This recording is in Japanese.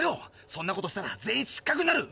そんなことしたら全員失格になる！